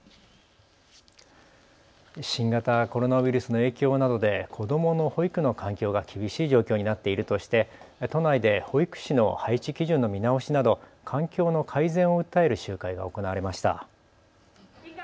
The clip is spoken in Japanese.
新型コロナウイルスの影響などで子どもの保育の環境が厳しい状況になっているとして、都内で保育士の配置基準の見直しなど環境の改善を訴える集会が行われました。